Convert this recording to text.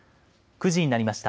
９時になりました。